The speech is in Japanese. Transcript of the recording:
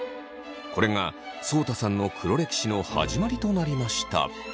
これがそうたさんの黒歴史の始まりとなりました。